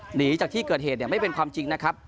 หนีจากที่เกิดเหตุไม่เป็นความจริงนะครับ